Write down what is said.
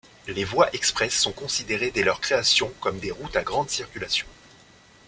Les voies express sont considérées dès leur création comme des routes à grande circulation.